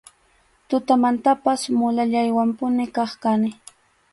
Tutamantanpas mulallaywanpuni kaq kani.